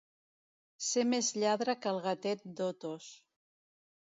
Ser més lladre que el gatet d'Otos.